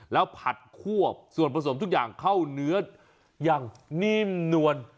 แล้วผัดควบส่วนผสมทุกอย่างเข้าเนื้ออย่างนิ่มนวล